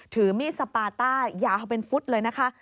ถือมีดสปาต้ายาวเป็นฟุตเลยนะคะ